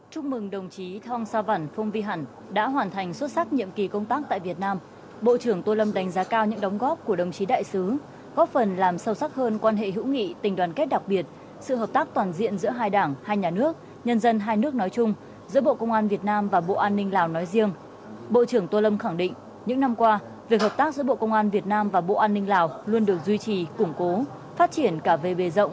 chúc mừng đồng chí thong sa vẳn phong vi hẳn đã hoàn thành xuất sắc nhiệm kỳ công tác tại việt nam bộ trưởng tô lâm đánh giá cao những đóng góp của đồng chí đại sứ góp phần làm sâu sắc hơn quan hệ hữu nghị tình đoàn kết đặc biệt sự hợp tác toàn diện giữa hai đảng hai nhà nước nhân dân hai nước nói chung giữa bộ công an việt nam và bộ an ninh lào nói riêng